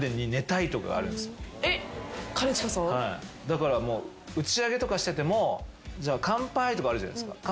だから打ち上げとかしてても乾杯とかあるじゃないですか。